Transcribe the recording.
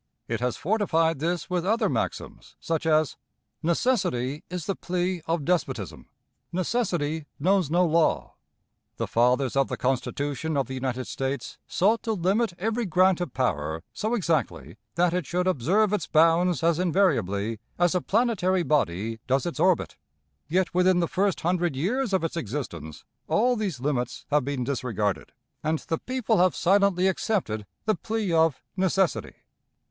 It has fortified this with other maxims, such as, "Necessity is the plea of despotism"; "Necessity knows no law." The fathers of the Constitution of the United States sought to limit every grant of power so exactly that it should observe its bounds as invariably as a planetary body does its orbit. Yet within the first hundred years of its existence all these limits have been disregarded, and the people have silently accepted the plea of necessity.